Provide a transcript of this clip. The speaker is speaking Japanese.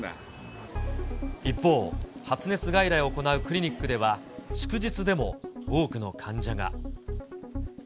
一方、発熱外来を行うクリニックでは、祝日でも多くの患者が。